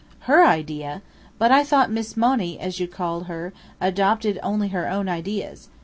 "Her idea! But I thought Miss Monny, as you call her, adopted only her own ideas.